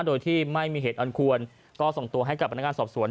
โดยที่ไม่มีเหตุอันควรก็ส่งตัวให้กับพนักงานสอบสวน